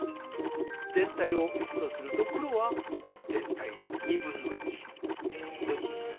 全体を１とすると黒は全体の1/2。ですね。